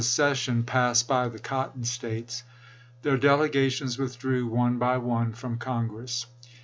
cession passed by the Cotton States, their del *■ egations withdrew one by one from Congress.